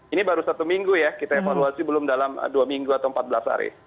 ini baru satu minggu ya kita evaluasi belum dalam dua minggu atau empat belas hari